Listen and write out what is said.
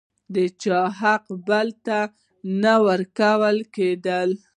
د چا حق بل ته نه ورکول کېده.